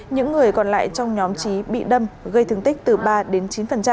những người còn lại trong nhóm trí bị đâm gây thương tích từ ba đến chín